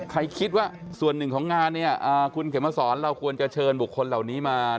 คิดว่าส่วนหนึ่งของงานเนี่ยคุณเข็มมาสอนเราควรจะเชิญบุคคลเหล่านี้มา